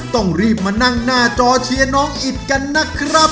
ต้องรีบมานั่งหน้าจอเชียร์น้องอิดกันนะครับ